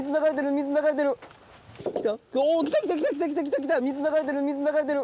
水流れてる水流れてる！